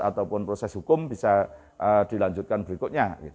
ataupun proses hukum bisa dilanjutkan berikutnya